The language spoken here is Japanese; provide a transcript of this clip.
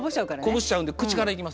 こぼしちゃうんで口から行きます。